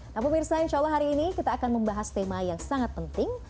nah pemirsa insya allah hari ini kita akan membahas tema yang sangat penting